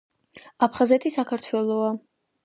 აფხაზეთი საქართველოა!